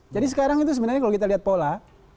jadi sekarang itu sebenarnya kalau kita lihat pola